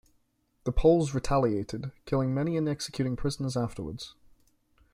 The Poles retaliated, killing many and executing prisoners afterwards.